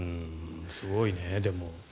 すごいね、でも。